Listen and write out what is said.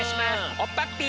おっぱっぴー！